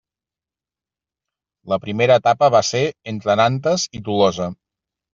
La primera etapa va ser entre Nantes i Tolosa.